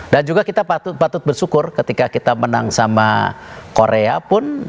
dan juga kita patut patut bersyukur ketika kita menang sama korea pun